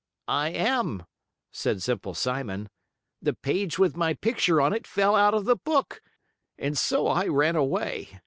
"I am," said Simple Simon. "The page with my picture on it fell out of the book, and so I ran away.